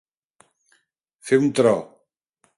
Fer un tro.